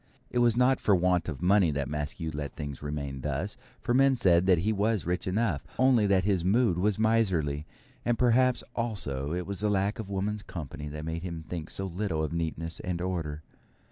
It was not for want of money that Maskew let things remain thus, for men said that he was rich enough, only that his mood was miserly; and perhaps, also, it was the lack of woman's company that made him think so little of neatness and order.